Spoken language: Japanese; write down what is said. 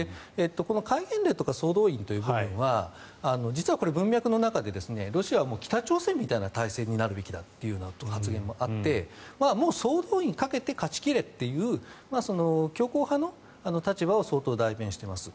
戒厳令とか総動員という部分は実は、文脈の中でロシアは北朝鮮みたいな体制になるべきだという発言もあってもう総動員をかけて勝ち切れという強硬派の立場を相当、代弁しています。